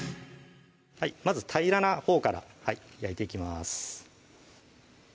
まず平らなほうから焼いていきます